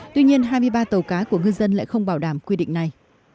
tuy nhiên hai mươi ba tàu cá của ngư dân lại không bảo đảm quy định này